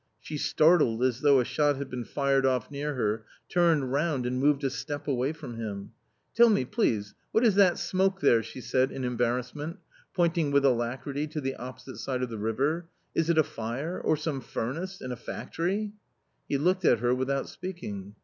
She startled as though a shot had been fired off near her, turned round, and moved a step away from him. " Tell me, please, what is that smoke there ?" she said in embarrassment, pointing with alacrity to the opposite side of the river, " is it a fire, or some furnace — in a factory ?" He looked at her without speaking.